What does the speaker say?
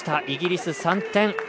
イギリス、３点。